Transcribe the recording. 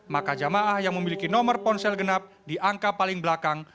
maka jamaah yang memiliki nomor ponsel genap di angka paling belakang